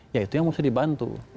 ya itu yang mesti dibantu